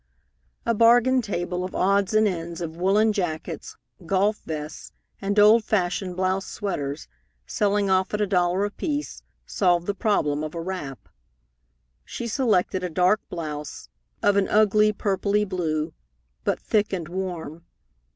A bargain table of odds and ends of woollen jackets, golf vests, and old fashioned blouse sweaters, selling off at a dollar apiece, solved the problem of a wrap. She selected a dark blouse, of an ugly, purply blue, but thick and warm.